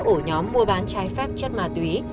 ổ nhóm mua bán trái phép chất ma túy